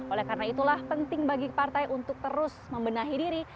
oleh karena itulah penting bagi partai untuk terus membenahi diri